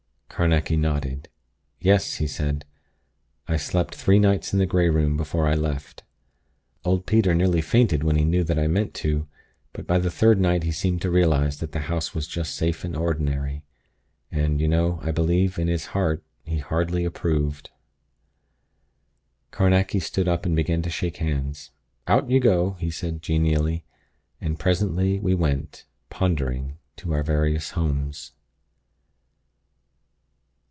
Carnacki nodded. "Yes," he said. "I slept three nights in the Grey Room, before I left. Old Peter nearly fainted when he knew that I meant to; but by the third night he seemed to realize that the house was just safe and ordinary. And, you know, I believe, in his heart, he hardly approved." Carnacki stood up and began to shake hands. "Out you go!" he said, genially. And presently we went, pondering, to our various homes.